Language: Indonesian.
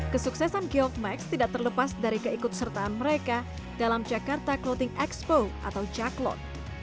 kesuksesan geofmax tidak terlepas dari keikut sertaan mereka dalam jakarta clothing expo atau jacklot